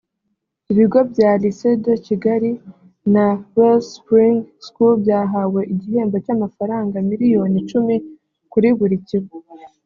Ibigo bya Lcyée de Kigali na Wellspring School byahawe igihembo cy’amafaranga miliyoni icumi kuri buri kigo